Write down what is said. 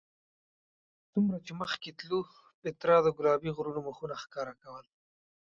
څومره چې مخکې تلو پیترا د ګلابي غرونو مخونه ښکاره کول.